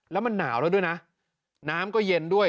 แล้วมันหนาวแล้วด้วยนะน้ำก็เย็นด้วย